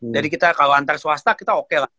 jadi kita kalau antar swasta kita oke lah